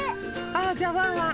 じゃあワンワン